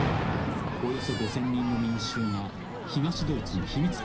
およそ５０００人の民衆が東ドイツの秘密